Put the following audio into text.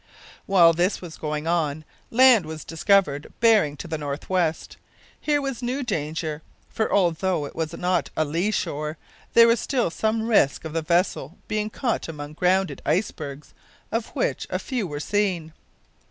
While this was going on, land was discovered bearing to the northeast. Here was new danger, for although it was not a lee shore, still there was some risk of the vessel being caught among grounded ice bergs of which a few were seen.